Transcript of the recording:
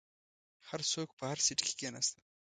هر څوک په هر سیټ کې کیناستل.